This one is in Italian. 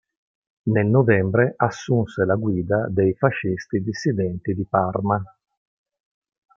Nel novembre assunse la guida dei fascisti dissidenti di Parma.